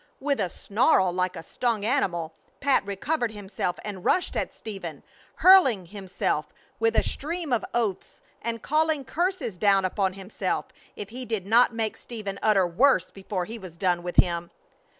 With a snarl like a stung animal Pat recovered himself and rushed at Stephen, hurling himself with a stream of oaths, and calling curses down upon himself if he did not make Stephen utter worse before he was done with him.